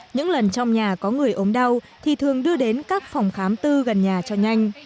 những lần trong nhà có người ốm đau thì thường đưa đến các phòng khám tư gần nhà cho nhanh